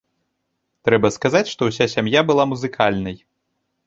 Трэба сказаць, што ўся сям'я была музыкальнай.